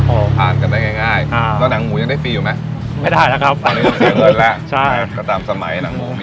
ผ่านกันได้ง่าย